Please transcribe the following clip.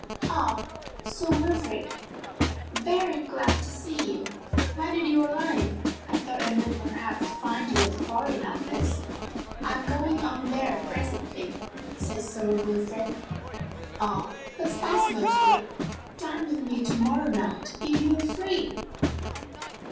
Ah, Sir Wilfrid! very glad to see you! When did you arrive? I thought I might perhaps find you at the Foreign Office." "I'm going on there presently," said Sir Wilfrid. "Ah, but that's no good. Dine with me to morrow night? if you are free?